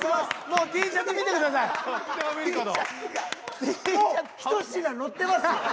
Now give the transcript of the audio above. もう１品のってますよね？